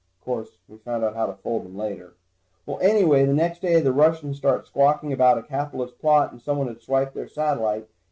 Course, we found out how to fold them later. Well, anyway the next day, the Russians started squawking about a capitalist plot, and someone had swiped their satellite.